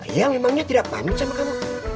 iya memangnya tidak pamit sama kamu